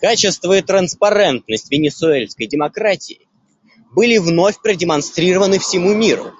Качество и транспарентность венесуэльской демократии были вновь продемонстрированы всему миру.